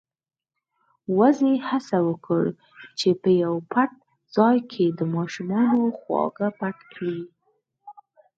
وزې هڅه وکړه چې په يو پټ ځای کې د ماشومانو خواږه پټ کړي.